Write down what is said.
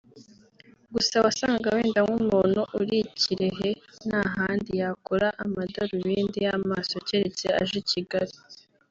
Gusa wasangaga wenda nk’umuntu uri i Kirehe nta handi yakura amadarubindi y’amaso keretse aje I Kigali